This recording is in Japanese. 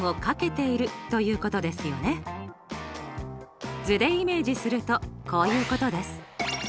２は２とを図でイメージするとこういうことです！